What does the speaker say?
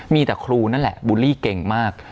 มีแต่ครูนั่นแหละบูลลี่เก่งมาก